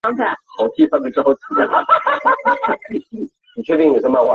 他主张社会主义的经济观。